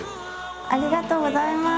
ありがとうございます。